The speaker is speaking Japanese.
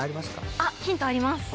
あっヒントあります。